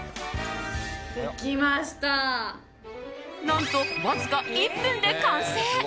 何と、わずか１分で完成！